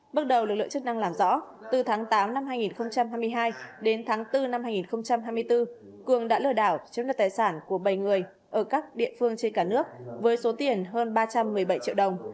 bước đầu lực lượng chức năng làm rõ từ tháng tám năm hai nghìn hai mươi hai đến tháng bốn năm hai nghìn hai mươi bốn cường đã lừa đảo chiếm đoạt tài sản của bảy người ở các địa phương trên cả nước với số tiền hơn ba trăm một mươi bảy triệu đồng